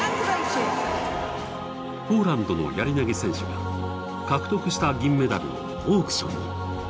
ポーランドのやり投げ選手が獲得した銀メダルをオークションに。